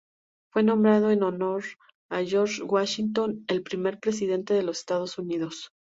Fue nombrado en honor a George Washington, el primer Presidente de los Estados Unidos.